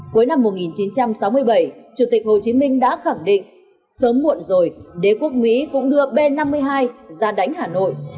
cuối năm một nghìn chín trăm sáu mươi bảy chủ tịch hồ chí minh đã khẳng định sớm muộn rồi đế quốc mỹ cũng đưa b năm mươi hai ra đánh hà nội